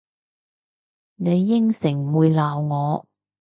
你應承唔會鬧我？